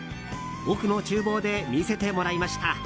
奥の厨房で見せてもらいました。